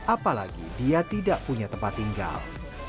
apalagi dia tidak punya tempat tinggal